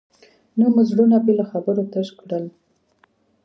نه مو زړونه بې له خبرو تش کړل.